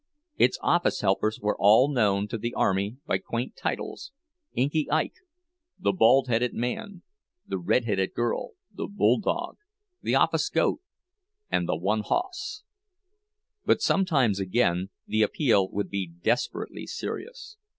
Its office helpers were all known to the "Army" by quaint titles—"Inky Ike," "the Bald headed Man," "the Redheaded Girl," "the Bulldog," "the Office Goat," and "the One Hoss." But sometimes, again, the "Appeal" would be desperately serious.